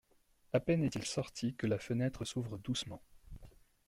A peine est-il sorti que la fenêtre s’ouvre doucement.